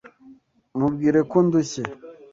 Mubwire ko ndushye.